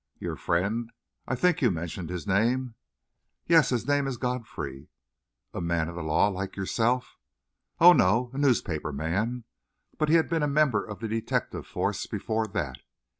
"Your friend I think you mentioned his name?" "Yes his name is Godfrey." "A man of the law, like yourself?" "Oh, no, a newspaper man. But he had been a member of the detective force before that.